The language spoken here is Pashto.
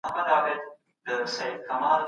پوهه رڼا ده او ناپوهي تياره.